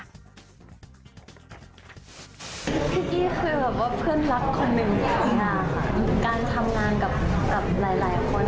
พี่กี้คือแบบว่าเพื่อนรักคนหนึ่งที่ทำงานกับหลายคน